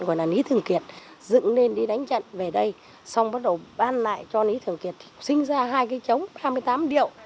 gọi là lý thường kiệt dựng lên đi đánh trận về đây xong bắt đầu ban lại cho lý thường kiệt sinh ra hai cái chống hai mươi tám điệu